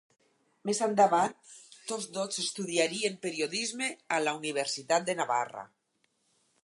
Més endavant, tots dos estudiarien Periodisme a la Universitat de Navarra.